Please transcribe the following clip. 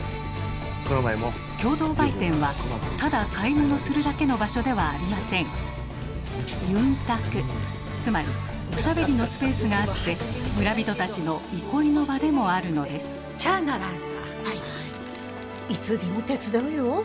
「共同売店」はただ買い物するだけの場所ではありませんつまりおしゃべりのスペースがあって村人たちの憩いの場でもあるのですいつでも手伝うよ。